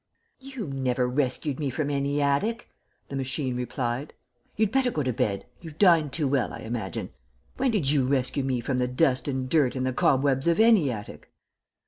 "You never rescued me from any attic," the machine replied. "You'd better go to bed; you've dined too well, I imagine. When did you rescue me from the dust and dirt and the cobwebs of any attic?"